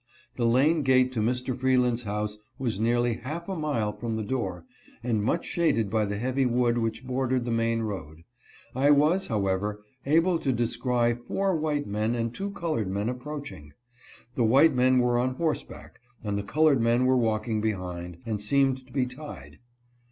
The lane gate to Mr. Freeland's house was nearly half a mile from the door, and much shaded by the heavy wood which bordered the main road. I was, how ever, able to descry four white men and two colored men approaching. The white men were on horseback, and the colored men were walking behind, and seemed to be tied.